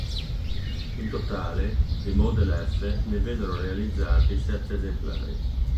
In totale, di Model F ne vennero realizzati sette esemplari.